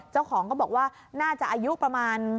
เจ้าของก็บอกว่าน่าจะอายุประมาณ